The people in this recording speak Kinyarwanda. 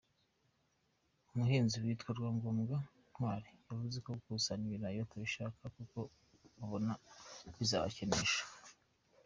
Umuhinzi witwa Rwangombwa Ntwari yavuze ko gukusanya ibirayi batabishaka, kuko babona bizabakenesha.